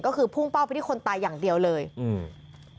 ก็คือพุ่งเป้าไปที่คนตายอย่างเดียวเลยอืม